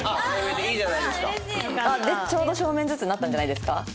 ちょうど正面ずつになったんじゃないですか？